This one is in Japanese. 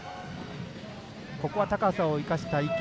ここは高さを生かした池。